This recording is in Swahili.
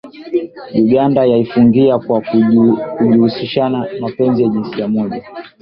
Uganda yaifungia kwa kujihusishanna mapenzi ya jinsia moja